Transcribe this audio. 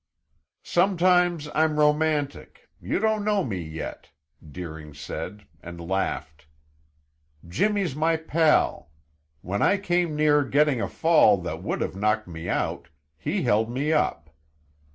"Sometimes I'm romantic; you don't know me yet," Deering said, and laughed. "Jimmy's my pal; when I came near getting a fall that would have knocked me out, he held me up.